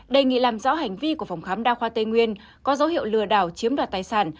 đề nghị làm rõ hành vi của phòng khám đa khoa tây nguyên có dấu hiệu lừa đảo chiếm đoạt tài sản